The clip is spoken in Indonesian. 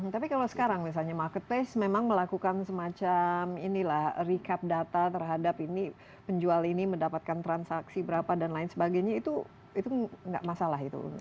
tapi kalau sekarang misalnya marketplace memang melakukan semacam inilah recap data terhadap ini penjual ini mendapatkan transaksi berapa dan lain sebagainya itu nggak masalah itu